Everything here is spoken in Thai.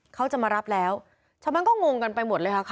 เขาจะมารับแล้วชาวบ้านก็งงกันไปหมดเลยค่ะ